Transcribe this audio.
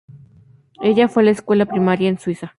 Ella fue a la escuela primaria en Suiza.